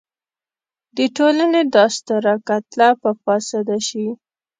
د ټولنې دا ستره کتله به فاسده شي.